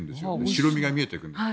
白身が見えてくるんです。